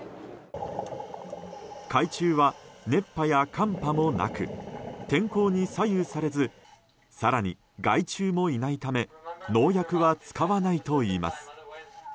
海中は熱波や寒波もなく天候に左右されず更に害虫もいないため農薬は使わないといいます。